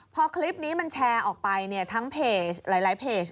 พอคลิปนี้มันแชร์ออกไปเนี่ยทั้งเพจหลายเพจ